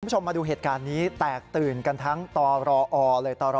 คุณผู้ชมมาดูเหตุการณ์นี้แตกตื่นกันทั้งตรอเลยตร